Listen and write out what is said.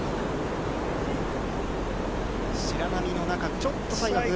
白波の中、ちょっと、最後。